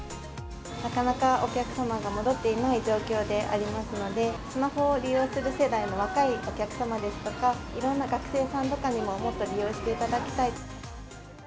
なかなかお客様が戻っていない状況でありますので、スマホを利用する世代の若いお客様ですとか、いろんな学生さんとかにももっと利用していただきたい。